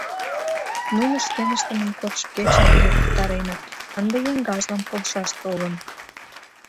Нуно шкеныштыным кодшо кечын тӱред пытареныт, ынде еҥгажлан полшаш толын.